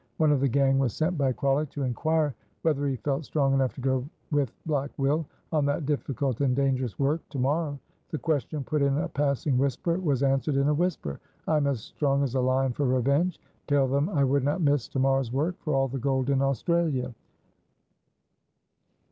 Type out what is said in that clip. One of the gang was sent by Crawley to inquire whether he felt strong enough to go with Black Will on that difficult and dangerous work to morrow. The question put in a passing whisper was answered in a whisper. "I am as strong as a lion for revenge. Tell them I would not miss to morrow's work for all the gold in Australia."